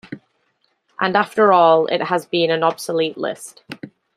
And, after all, it had been an obsolete list.